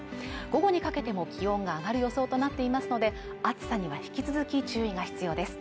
午後にかけても気温が上がる予想となっていますので暑さには引き続き注意が必要です